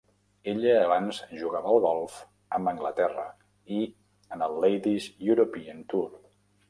Ella abans jugava al golf amb Anglaterra i en el Ladies European Tour.